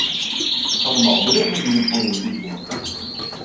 Xdmeɣ mliḥ i d-yewwin lligat.